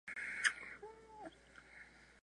La yema apical es cónica verde amarillento.